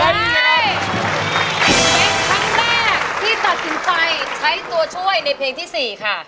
เป็นครั้งแรกที่ตัดสินใจใช้ตัวช่วยในเพลงที่๔ค่ะ